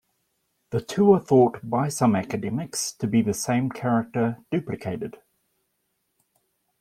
The two are thought by some academics to be the same character, duplicated.